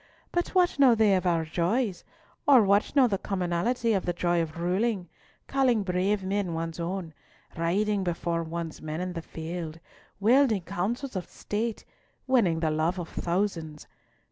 But what know they of our joys, or what know the commonalty of the joy of ruling, calling brave men one's own, riding before one's men in the field, wielding counsels of State, winning the love of thousands?